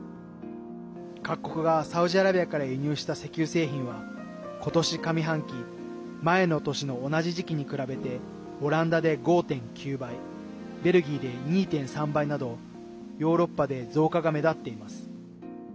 各国が、サウジアラビアから輸入した石油製品は、今年上半期前の年の同じ時期に比べてオランダで５．９倍ベルギーで２．３倍などヨーロッパで増加が目立っています。